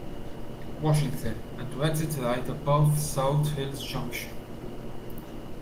Washington, and to exit right above South Hills Junction.